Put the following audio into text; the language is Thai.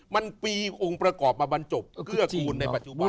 มันมีองค์ประกอบมาบรรจบเกื้อกูลในปัจจุบัน